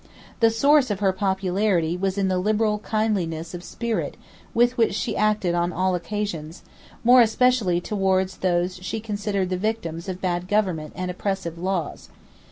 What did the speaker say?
The source of her popularity was in the liberal kindliness of spirit with which she acted on all occasions, more especially towards those she considered the victims of bad government and oppressive laws.